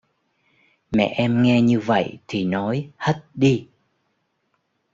Mẹ em nghe như vậy thì nói hất đi